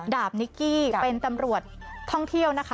นิกกี้เป็นตำรวจท่องเที่ยวนะคะ